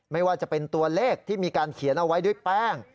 ไม่ว่าจะเป็นตัวเลขที่มีการเขียนเอาไว้ด้วยแป้ง